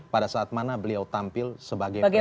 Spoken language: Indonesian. pada saat mana beliau tampil sebagai presiden